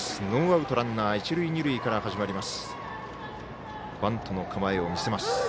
ノーアウトランナー、一塁二塁から始まります。